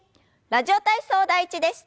「ラジオ体操第１」です。